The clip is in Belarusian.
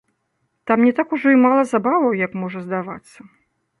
Там не так ужо і мала забаваў, як можа здавацца.